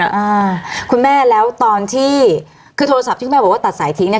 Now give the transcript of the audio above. อ่าคุณแม่แล้วตอนที่คือโทรศัพท์ที่คุณแม่บอกว่าตัดสายทิ้งเนี้ย